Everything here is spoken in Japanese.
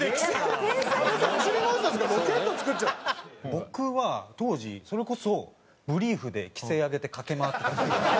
僕は当時それこそブリーフで奇声上げて駆け回ってたんですよ。